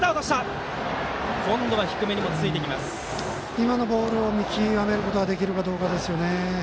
今のボールを見極めることができるかどうかですね。